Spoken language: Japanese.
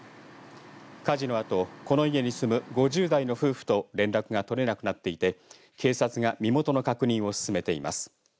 火事のあと、この家に住む５０代の夫婦と連絡が取れなくなっていて警察が身元の確認を進めています。